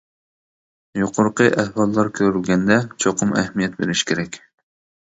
يۇقىرىقى ئەھۋاللار كۆرۈلگەندە، چوقۇم ئەھمىيەت بېرىش كېرەك.